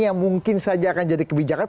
yang mungkin saja akan jadi kebijakan